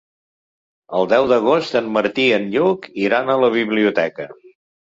El deu d'agost en Martí i en Lluc iran a la biblioteca.